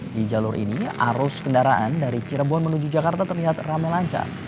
di jalur ini arus kendaraan dari cirebon menuju jakarta terlihat rame lancar